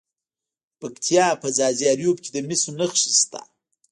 د پکتیا په ځاځي اریوب کې د مسو نښې شته.